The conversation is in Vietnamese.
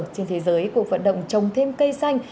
trên thế giới cuộc vận động trồng thêm cây xanh